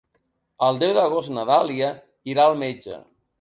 El deu d'agost na Dàlia irà al metge.